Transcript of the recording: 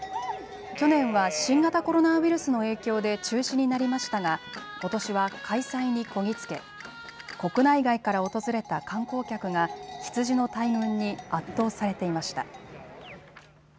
去年は新型コロナウイルスの影響で中止になりましたがことしは開催にこぎ着け国内外から訪れた観光客が羊の大群に圧倒されていました。